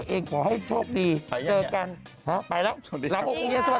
อ๋อเห็นมะ่ดดำเห็นไหมละมะมะดำ